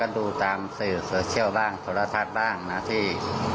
รับครับอะไร